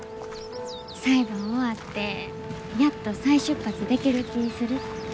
裁判終わってやっと再出発できる気ぃするって。